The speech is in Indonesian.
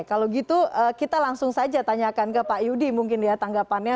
kalau gitu kita langsung saja tanyakan ke pak yudi mungkin ya tanggapannya